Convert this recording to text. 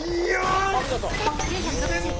お見事。